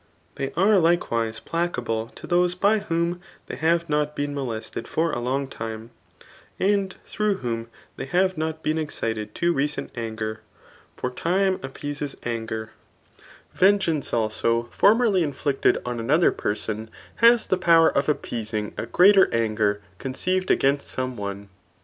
They are likewise placa* ble to those by whom they have not been molested for a long time^ and through ^om they have not been ex« cited to recent anger ; for time appeases anger, Venge* ance also formerly inflicted oa another person, has the power of appeasing a greater anger conceived against some one.